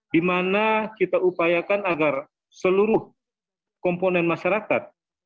dimana kita upayakan agar seluruh komponen masyarakat